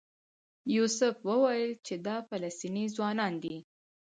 یوسف وویل چې دا فلسطینی ځوانان دي.